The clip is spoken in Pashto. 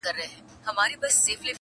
د یوې ورځي دي زر ډالره کیږي.!